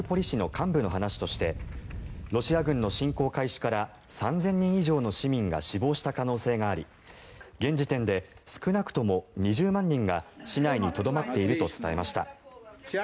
市の幹部の話としてロシア軍の侵攻開始から３０００人以上の市民が死亡した可能性があり現時点で少なくとも２０万人が市内にとどまっていると伝えました。